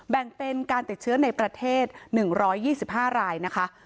แบ่งเป็นการติดเชื้อในประเทศหนึ่งร้อยยี่สิบห้ารายนะคะ